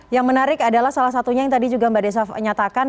yang menarik adalah salah satunya yang tadi juga mbak desa nyatakan